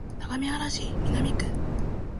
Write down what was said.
相模原市南区